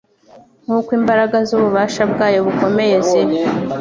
"Nk'uko imbaraga z'ububasha bwayo bukomeye ziri";